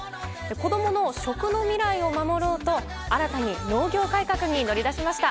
子供の食の未来を守ろうと新たに農業改革に乗り出しました。